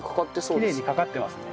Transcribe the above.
きれいにかかってますね。